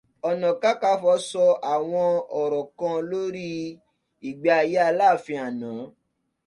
Ọ̀nàkákafọ̀ sọ àwọn ọ̀rọ̀ kan lórí ìgbé ayé Aláàfin àná.